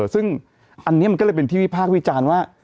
ซึ่งอันนี้มันก็เลยเป็นที่วิพากษ์วิจารณ์ว่า